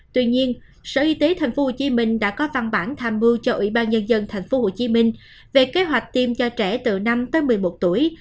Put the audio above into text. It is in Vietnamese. tuy nhiên sở y tế tp hcm đã có văn bản tham mưu cho ủy ban nhân dân tp hcm về kế hoạch tiêm cho trẻ từ năm tới một mươi một tuổi